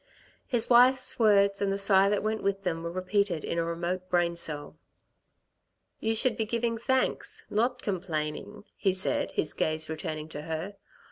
His wife's words and the sigh that went with them were repeated in a remote brain cell. "You should be giving thanks, not complaining," he said, his gaze returning to her.